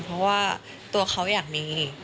เพราะว่าตัวเขาอยากมี